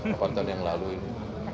kebantuan yang lalu ini